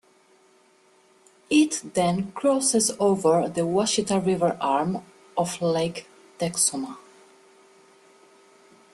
It then crosses over the Washita River arm of Lake Texoma.